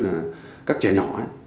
là các trẻ nhỏ